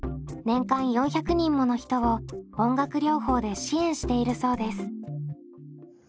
年間４００人もの人を音楽療法で支援しているそうです。